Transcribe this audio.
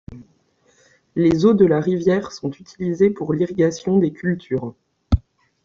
Les eaux de la rivière sont utilisées pour l'irrigation des cultures.